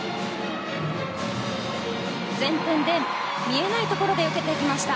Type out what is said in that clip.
前転で、見えないところで受けていきました。